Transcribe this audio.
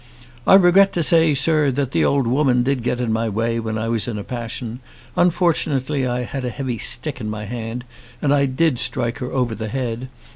"'I regret to say, sir, that the old woman did get in my way when I was in a passion. Unfortunately I had a heavy stick in my hand and I did strike her over the head.